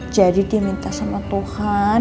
jadi dia minta sama tuhan